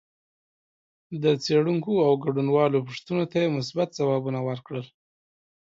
د څېړونکو او ګډونوالو پوښتنو ته یې مثبت ځوابونه ورکړل